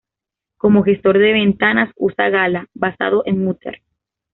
Como gestor de ventanas usa Gala, basado en Mutter.